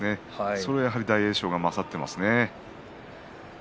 それはやはり大栄翔の方が勝っていますね。